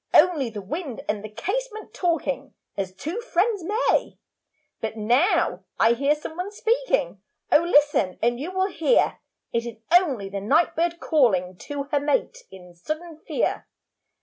Only the wind and the casement Talking as two friends may. 'But now I hear some one speaking, Oh listen and you will hear.' It is only the night bird calling To her mate in sudden fear.